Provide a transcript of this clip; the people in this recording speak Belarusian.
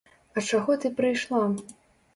А чаго ты прыйшла?